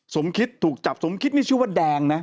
สมคิดถูกจับสมคิดนี่ชื่อว่าแดงนะ